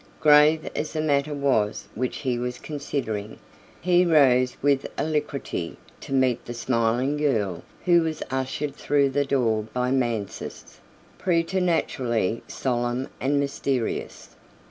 Grave as the matter was which he was considering, he rose with alacrity to meet the smiling girl who was ushered through the door by Mansus, preternaturally solemn and mysterious.